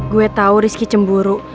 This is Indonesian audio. gue tau rizky cemburu